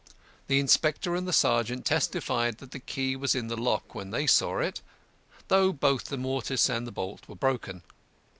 The inspector and the sergeant testified that the key was in the lock when they saw it, though both the mortice and the bolt were broken.